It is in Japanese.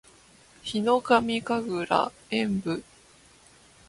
ヒノカミ神楽炎舞（ひのかみかぐらえんぶ）